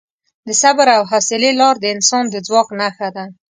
د صبر او حوصلې لار د انسان د ځواک نښه ده.